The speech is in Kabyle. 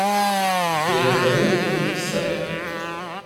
Lxetyar-iḍen ur t-tesεiḍ.